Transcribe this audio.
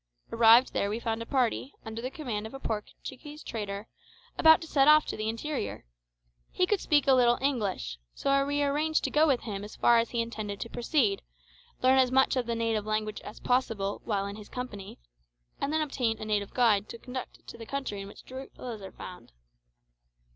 Arrived there we found a party, under the command of a Portuguese trader, about to set off to the interior. He could speak a little English; so we arranged to go with him as far as he intended to proceed, learn as much of the native language as possible while in his company, and then obtain a native guide to conduct us to the country in which the gorillas are found.